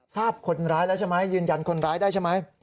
ทราบคนร้ายแล้วใช่ไหมยืนยันคนร้ายได้ใช่ไหม